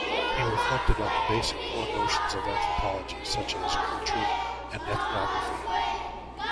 He reflected on the basic core notions of anthropology, such as culture and ethnography.